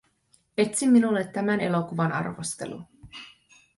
Etsi minulle tämän elokuvan arvostelu.